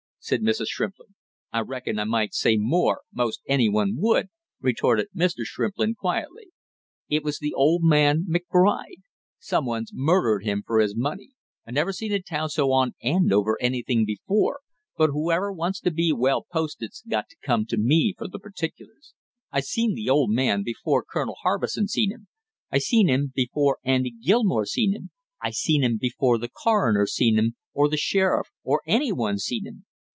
said Mrs. Shrimplin. "I reckon I might say more, most any one would," retorted Mr. Shrimplin quietly. "It was old man McBride someone's murdered him for his money; I never seen the town so on end over anything before, but whoever wants to be well posted's got to come to me for the particulars. I seen the old man before Colonel Harbison seen him, I seen him before Andy Gilmore seen him, I seen him before the coroner seen him, or the sheriff or any one seen him!